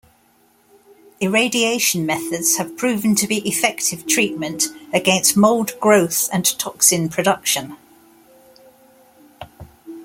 Irradiation methods have proven to be effective treatment against mold growth and toxin production.